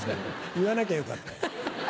言わなきゃよかった。